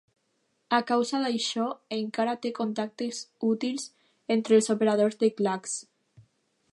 A causa d'això, encara té contactes útils entre els operadors de "clacks".